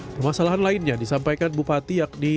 permasalahan lainnya disampaikan bupati yakni